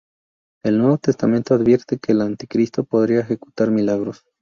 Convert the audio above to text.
El Nuevo Testamento advierte que el Anticristo podrá ejecutar milagros.